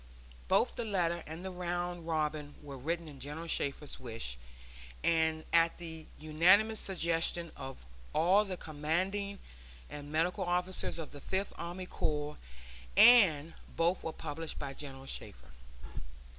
Both the letter and the round robin were written at General Shafter's wish, and at the unanimous suggestion of all the commanding and medical officers of the Fifth Army Corps, and both were published by General Shafter.